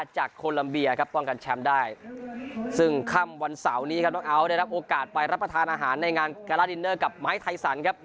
จากครับป้องกันแชมป์ได้ซึ่งวันเสาร์นี้ครับได้รับโอกาสไปรับประทานอาหารในงานการ้าดินเนอร์กับไมค์ไทซันครับ